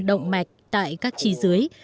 động mạch tại các trí dưới